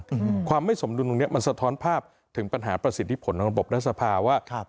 อืมความไม่สมดุลตรงเนี้ยมันสะท้อนภาพถึงปัญหาประสิทธิผลของระบบรัฐสภาว่าครับ